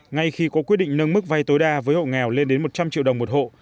ngay khi có quyết định nâng mức vay tối đa với hộ nghèo lên đến một trăm linh triệu đồng một hộ